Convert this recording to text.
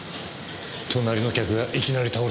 隣の客がいきなり倒れたんだよ。